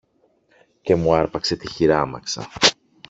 και μου άρπαξε τη χειράμαξα.